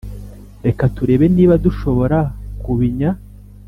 reka turebe niba dushobora kubinya